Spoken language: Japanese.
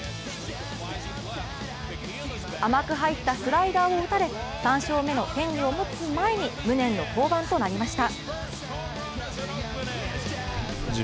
甘く入ったスライダーを打たれ、３勝目の権利を持つ前に無念の降板となりました。